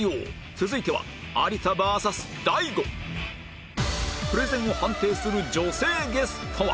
続いては有田 ＶＳＤＡＩＧＯプレゼンを判定する女性ゲストは